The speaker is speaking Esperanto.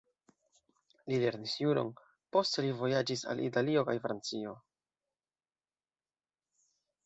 Li lernis juron, poste li vojaĝis al Italio kaj Francio.